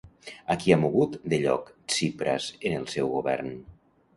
A qui ha mogut de lloc Tsipras en el seu govern?